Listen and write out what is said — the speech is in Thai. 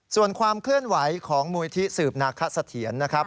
ส่วนความเคลื่อนไหวของมูลที่สืบนาคสะเทียนนะครับ